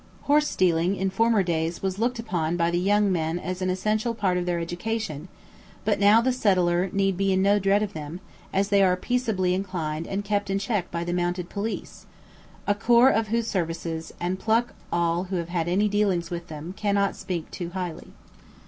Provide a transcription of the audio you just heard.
Horsestealing in former days was looked upon by the young men as an essential part of their education; but now the settler need be in no dread of them, as they are peaceably inclined and kept in check by the mounted police, a corps of whose services and pluck all who have had any dealings with them cannot speak two highly.